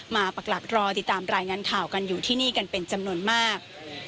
ปรักหลักรอติดตามรายงานข่าวกันอยู่ที่นี่กันเป็นจำนวนมาก